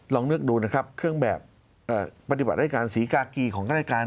ลองนึกดูนะครับเครื่องแบบปฏิบัติรายการศรีกากีของข้ารายการ